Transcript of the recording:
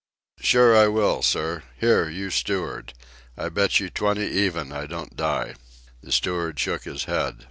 "Sure I will, sir. Here, you steward, I bet you twenty even I don't die." The steward shook his head.